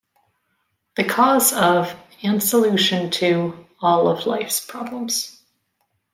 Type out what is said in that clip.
The cause of... and solution to... all of life's problems.